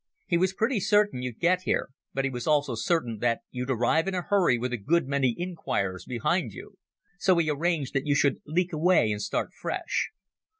He was pretty certain you'd get here, but he was also certain that you'd arrive in a hurry with a good many inquirers behind you. So he arranged that you should leak away and start fresh."